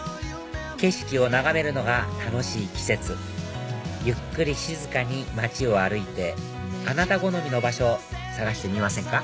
景色を眺めるのが楽しい季節ゆっくり静かに街を歩いてあなた好みの場所探してみませんか？